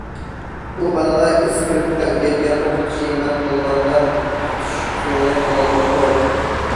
ئۇ بالىغا ئىسكىرىپكا ئۆگەتكەن ئوقۇتقۇچى مەن قوللانغان ئوقۇتۇش ئۇسۇلىنى قوللانماپتۇ.